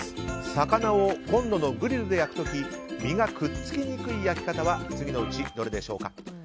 魚をコンロのグリルで焼く時身がくっつきにくい焼き方は次のうちどれでしょうか。